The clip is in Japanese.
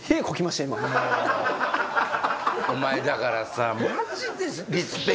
お前だからさ。